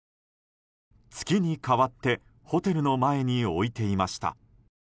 月に代わってホテルの前に置いていました。